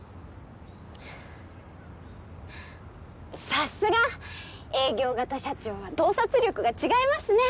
さすが営業型社長は洞察力が違いますね！